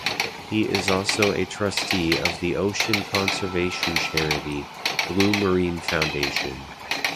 He is also a Trustee of the ocean conservation charity, Blue Marine Foundation.